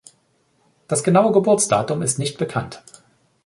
Das genaue Geburtsdatum ist nicht bekannt.